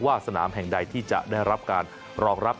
สนามแห่งใดที่จะได้รับการรองรับ